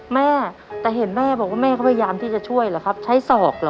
แม่แต่เห็นแม่บอกว่าแม่เขาพยายามที่จะช่วยเหรอครับใช้ศอกเหรอ